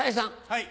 はい。